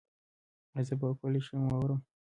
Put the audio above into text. ایا زه به وکولی شم واورم؟